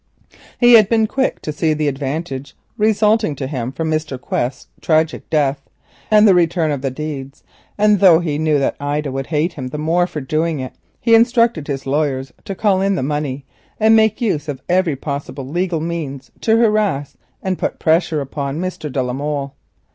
He had been quick to see the advantage resulting to him from Mr. Quest's tragic death and the return of the deeds, and though he knew that Ida would hate him the more for doing it, he instructed his lawyers to call in the money and make use of every possible legal means to harass and put pressure upon Mr. de la Molle.